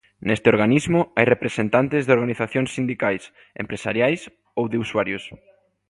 Neste organismo hai representantes de organizacións sindicais, empresariais ou de usuarios.